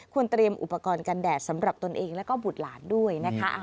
เตรียมอุปกรณ์กันแดดสำหรับตนเองแล้วก็บุตรหลานด้วยนะคะ